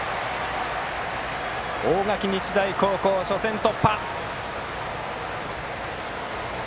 大垣日大高校、初戦突破。